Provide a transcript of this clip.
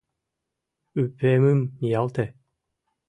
— Ӱпемым ниялте...